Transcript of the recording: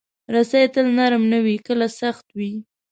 رسۍ تل نرم نه وي، کله سخت وي.